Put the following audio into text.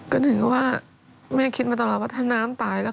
ก็ถือว่าแม่คิดมาตลอดว่าถ้าน้ำตายแล้ว